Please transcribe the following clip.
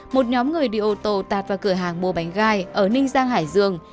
một nhóm người đi ô tô tạt vào cửa hàng bồ bánh gai ở ninh giang hải dương